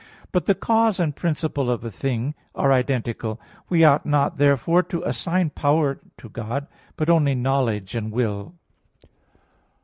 But the cause and principle of a thing are identical. We ought not, therefore, to assign power to God; but only knowledge and will.